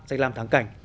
danh làm tháng cảnh